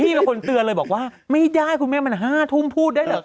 มีคนเตือนเลยบอกว่าไม่ได้คุณแม่มัน๕ทุ่มพูดได้เหรอ